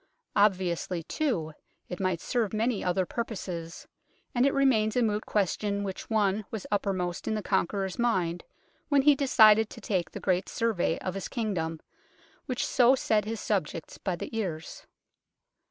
Obviously, too, it might serve many other purposes, and it remains a moot question which one was uppermost in the Conqueror's mind when he decided to take the great Survey of his Kingdom, which so set his subjects by the ears.